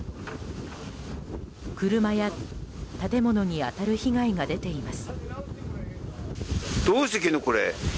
車や建物に当たる被害が出ています。